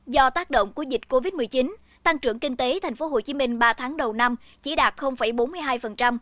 do tác động của dịch covid một mươi chín tăng trưởng kinh tế tp hcm ba tháng đầu năm chỉ đạt bốn mươi hai